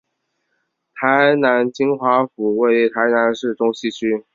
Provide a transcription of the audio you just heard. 台南金华府位于台南市中西区。